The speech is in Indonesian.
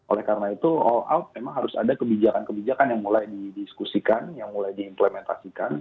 oleh karena itu all out memang harus ada kebijakan kebijakan yang mulai didiskusikan yang mulai diimplementasikan